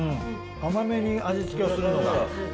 甘めに味付けをするのが。